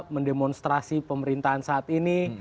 mendemonstrasi pemerintahan saat ini